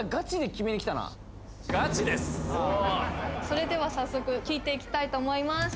それでは早速聞いていきたいと思います